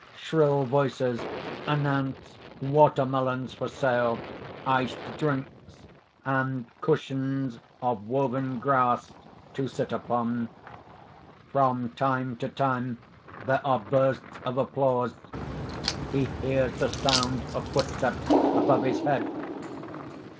_ _Shrill voices announce watermelons for sale, iced drinks, and cushions of woven grass to sit upon. From time to time there are bursts of applause. He hears the sound of footsteps above his head.